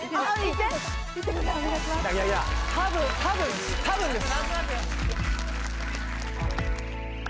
多分多分です多分です